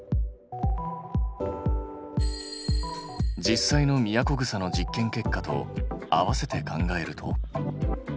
実際のミヤコグサの実験結果と合わせて考えると。